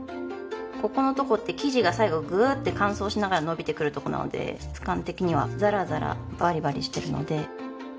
ここのとこって生地が最後グーって乾燥しながら伸びてくるとこなので質感的にはざらざらバリバリしてるので。